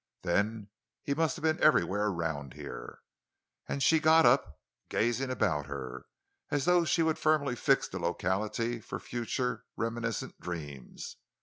Then he must have been everywhere around here." And she got up, gazing about her, as though she would firmly fix the locality for future reminiscent dreams.